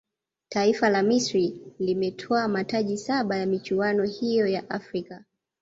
taifa la misri limetwaa mataji saba ya michuano hiyo ya afrika